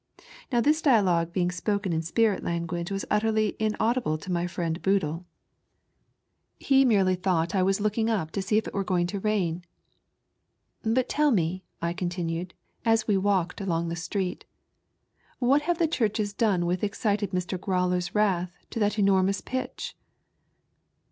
Now this dialogue being spoken in spirit language was utterly inaudible to my friend Boodle ; he merely THE POPULAIt PKEACHEK. 31 I'thonght I waa looking up to see if it were going to rain. "But tell me," I contiaued, as we walked along the street, "what have the churches done which excited Mr. Growler's wrath to that enormoua pitch?"